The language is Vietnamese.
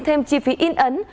thêm chi phí in ấn